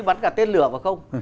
bắn cả tên lửa mà không